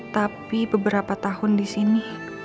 tapi beberapa tahun disini